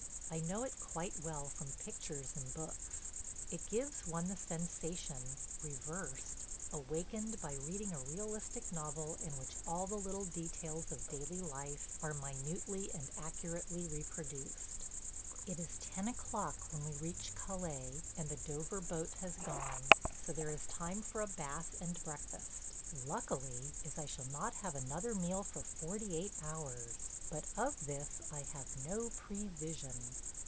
I know it quite well from pictures and books. It gives one the sensation – reversed – awakened by reading a realistic novel in which all the little details of daily life are minutely and accurately reproduced. It is ten o'clock when we reach Calais, and the Dover boat has gone, so there is time for a bath and breakfast – luckily, as I shall not have another meal for forty eight hours; but of this I have no prevision.